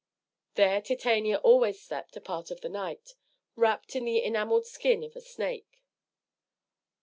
There Titania always slept a part of the night, wrapped in the enameled skin of a snake.